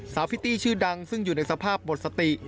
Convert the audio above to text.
สาวพิตี้ชื่อดังซึ่งอยู่ในสภาพบทสติ